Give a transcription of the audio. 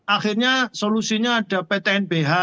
akhirnya solusinya ada ptnbh